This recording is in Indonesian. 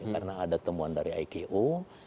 karena ada temuan dari iko